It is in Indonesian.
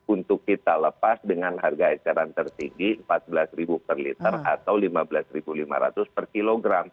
untuk kita lepas dengan harga eceran tertinggi rp empat belas per liter atau rp lima belas lima ratus per kilogram